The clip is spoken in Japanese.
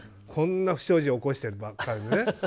こんな不祥事を起こしてて。